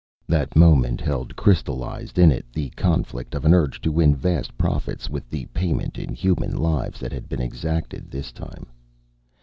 That moment held crystallized in it the conflict of an urge to win vast profits, with the payment in human lives that had been exacted this time.